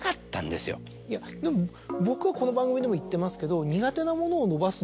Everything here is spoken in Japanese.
でも僕はこの番組でも言ってますけど。